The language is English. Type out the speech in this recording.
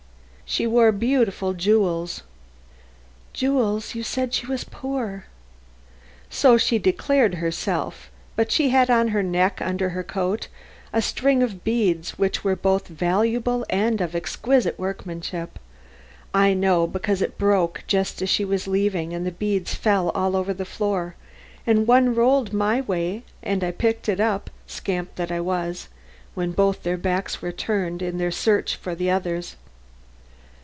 "She wore beautiful jewels." "Jewels? You said she was poor." "So she declared herself, but she had on her neck under her coat a string of beads which were both valuable and of exquisite workmanship. I know, because it broke just as she was leaving, and the beads fell all over the floor, and one rolled my way and I picked it up, scamp that I was, when both their backs were turned in their search for the others."